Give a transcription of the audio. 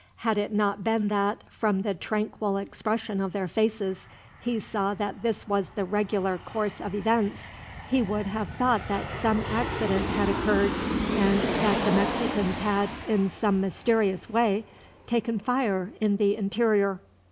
Had it not been that, from the tranquil expression of their faces, he saw that this was the regular course of events, he would have thought that some accident had occurred, and that the Mexicans had, in some mysterious way, taken fire in the interior.